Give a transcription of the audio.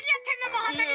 もうホントに。